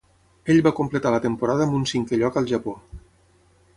Ell va completar la temporada amb un cinquè lloc al Japó.